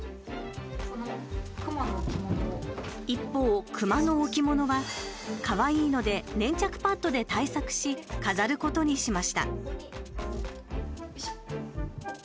一方、熊の置物は、かわいいので粘着パッドで対策し飾ることにしました。